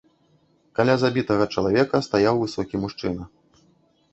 Каля збітага чалавека стаяў высокі мужчына.